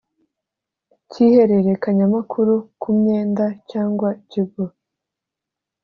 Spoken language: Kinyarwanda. cy ihererekanyamakuru ku myenda cyangwa ikigo